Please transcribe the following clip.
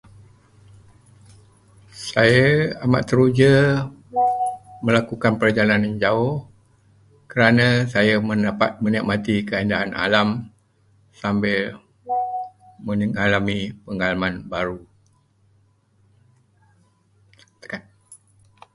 Saya amat teruja melakukan perjalanan jauh kerana saya dapat menikmati keindahan alam sambil mengalami pengalaman baru.